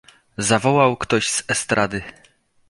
"zawołał ktoś z estrady."